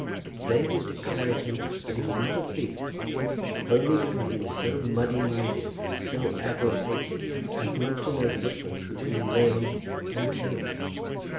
They would declare of him that he was not a thief, only because he was so muddy minded, so addle pated as not to know the difference between meum and tuum!